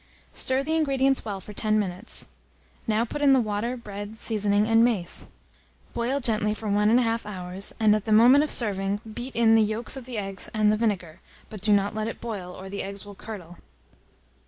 Stir the ingredients well for 10 minutes. Now put in the water, bread, seasoning, and mace. Boil gently for 1 1/2 hour, and, at the moment of serving, beat in the yolks of the eggs and the vinegar, but do not let it boil, or the eggs will curdle.